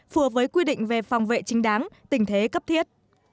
phù hợp với quy định về phòng vệ chính đáng tình thế cấp thiết